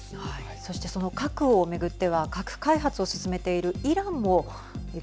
そして、その核を巡っては核開発を進めているはい。